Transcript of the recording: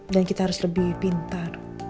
dan kita harus lebih pintar